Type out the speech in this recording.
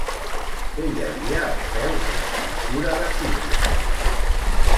Què hi havia al peu de l'escultura de Fídies?